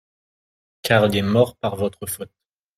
Car il est mort par votre faute.